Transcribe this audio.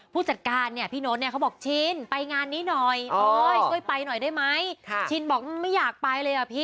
ไปฟังเสียงค่า